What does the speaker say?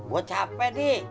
gua capek di